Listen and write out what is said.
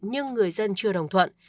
nhưng người dân chưa đồng thuận